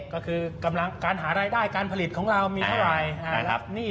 ก็คือการหารายได้การผลิตของเรามีเท่าไร